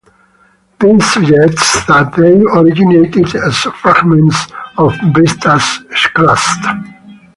This suggests that they originated as fragments of Vesta's crust.